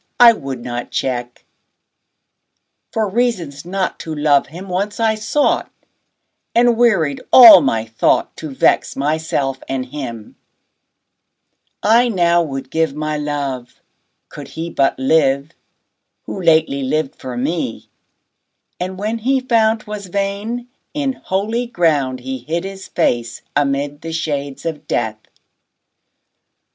I would not check. For reasons not to love him once I sought, 5 And wearied all my thought To vex myself and him; I now would give My love, could he but live Who lately lived for me, and when he found 'Twas vain, in holy ground 10 He hid his face amid the shades of death.